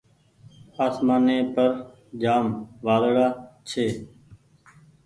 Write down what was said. آسمآني پر جآم وآۮڙآ ڇي۔